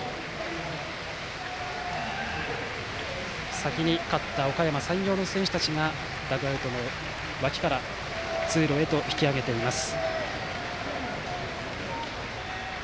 先に、勝ったおかやま山陽の選手たちがダグアウトの脇から通路へと引き揚げています。